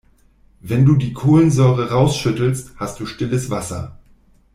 Wenn du die Kohlensäure rausschüttelst, hast du stilles Wasser.